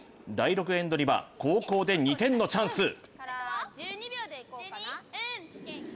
第６エンドには、後攻で２点のチャンス。